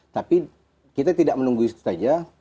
tapi kita tidak menunggu itu saja